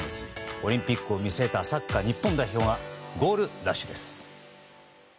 オリンピックを見据えたサッカー日本代表はゴールラッシュです。